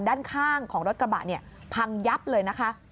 ด้านข้างของรถกระบะเนี่ยพังยับเลยนะคะ